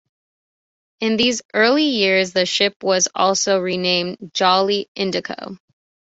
In these early years, the ship was also renamed "Jolly Indaco".